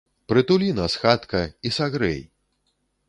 Прытулі нас, хатка, і сагрэй!